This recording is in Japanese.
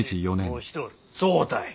そうたい。